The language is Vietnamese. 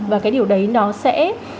và cái điều đấy nó sẽ